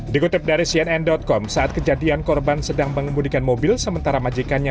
dikutip dari cnn com saat kejadian korban sedang mengemudikan mobil sementara majikannya